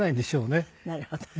なるほど。